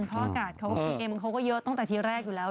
เพราะว่าเกมเขาก็เยอะตั้งแต่ทีแรกอยู่แล้ว